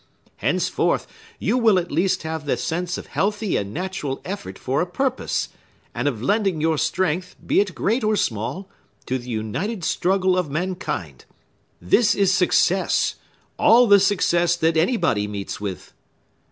Henceforth, you will at least have the sense of healthy and natural effort for a purpose, and of lending your strength be it great or small—to the united struggle of mankind. This is success,—all the success that anybody meets with!"